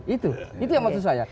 itu itu yang maksud saya